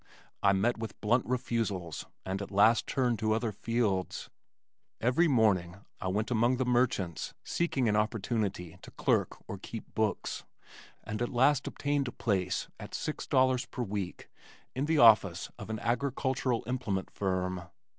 I met with blunt refusals and at last turned to other fields. Every morning I went among the merchants seeking an opportunity to clerk or keep books, and at last obtained a place at six dollars per week in the office of an agricultural implement firm.